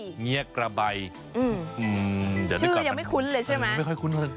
เงี๊ยะกระใบอืมชื่อยังไม่คุ้นเลยใช่ไหมไม่ค่อยคุ้นเลย